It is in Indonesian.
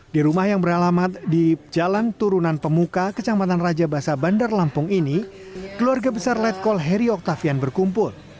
di rumah yang beralamat di jalan turunan pemuka kecamatan raja basa bandar lampung ini keluarga besar letkol heri oktavian berkumpul